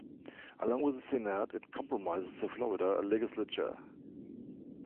Along with the Senate, it comprises the Florida Legislature.